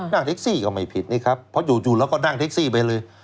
นั่งแท็กซี่ก็ไม่ผิดนี่ครับเพราะอยู่เราก็นั่งแท็กซี่ไปเลย